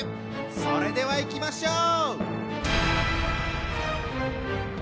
それではいきましょう！